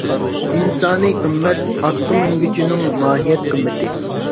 ئىنسانىي قىممەت ئاتقا مىنگۈچىنىڭ ماھىيەت قىممىتى!